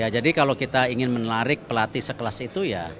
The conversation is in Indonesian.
jadi kalau kita ingin menelarik pelatih sekelas itu